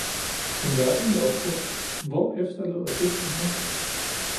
En verden i opbrud – hvor efterlader det Danmark?